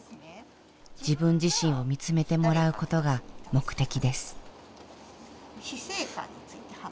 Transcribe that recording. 自分自身を見つめてもらうことが目的です。